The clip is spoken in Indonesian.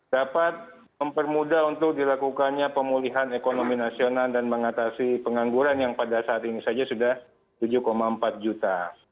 dapat mempermudah untuk dilakukannya pemulihan ekonomi nasional dan mengatasi pengangguran yang pada saat ini saja sudah tujuh empat juta